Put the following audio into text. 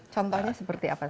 contohnya seperti apa saja